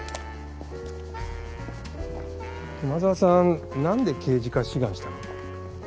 熊沢さんなんで刑事課志願したの？